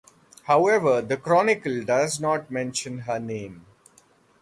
However the "Chronicle" does not mention her name.